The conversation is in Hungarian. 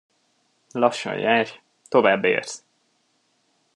Lassan járj, tovább érsz.